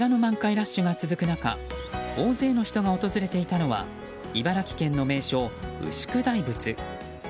ラッシュが続く中大勢の人が訪れていたのは茨城県の名所、牛久大仏。